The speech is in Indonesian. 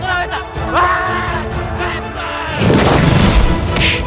kau tidak bisa mencari kursi ini